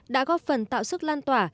đã góp phần tạo sức lan tỏa